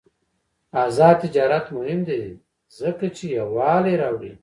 آزاد تجارت مهم دی ځکه چې یووالي راوړي.